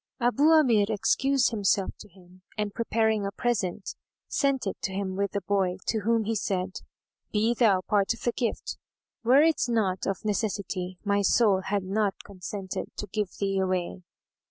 Abu Amir excused himself to him and preparing a present, sent it to him with the boy, to whom he said, "Be thou part of the gift: were it not of necessity, my soul had not consented to give thee away."